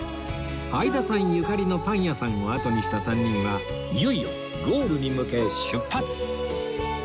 相田さんゆかりのパン屋さんをあとにした３人はいよいよゴールに向け出発！